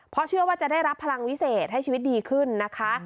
เพราะเชื่อว่าจะได้รับพลังวิเศษให้ชีวิตดีขึ้นนะคะ